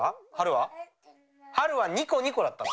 はるは「ニコニコ」だったの？